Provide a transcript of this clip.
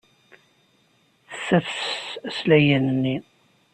Tessafses aslagen-nni.